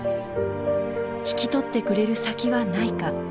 引き取ってくれる先はないか。